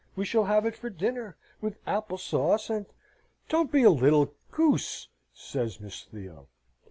We shall have it for dinner, with apple sauce and " "Don't be a little goose!" says Miss Theo.